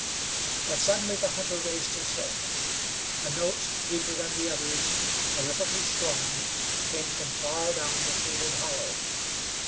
But suddenly the hunter raised his head. A note, deeper than the others, a little too strong, came from far down the shaded hollow.